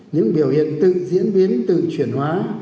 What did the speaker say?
những biểu hiện tự diễn biến tự chuyển hóa